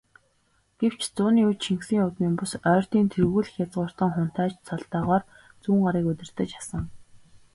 Гэвч, зууны үед Чингисийн удмын бус, Ойрдын тэргүүлэх язгууртан хунтайж цолтойгоор Зүүнгарыг удирдаж асан.